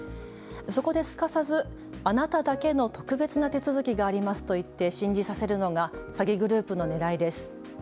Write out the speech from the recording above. そこですかさず、あなただけの特別な手続きがありますと言って信じさせるのが詐欺グループのねらいです。